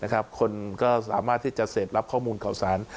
คนก็สามารถที่จะเสร็จรับข้อมูลข่าวสาร